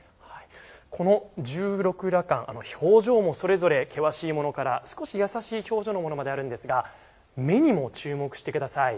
この十六羅漢表情もそれぞれ険しいものから少し優しい表情のものまであるんですが目にも注目してください。